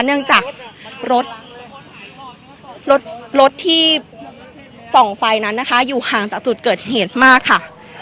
เนื่องจากรถรถที่ส่องไฟนั้นนะคะอยู่ห่างจากจุดเกิดเหตุมากค่ะ